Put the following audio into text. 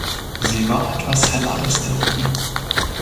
Sie war etwas heller als der Rücken.